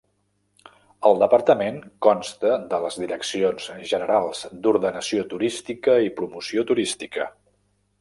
El departament consta de les direccions generals d'Ordenació Turística i de Promoció Turística.